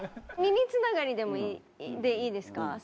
耳つながりでいいですか？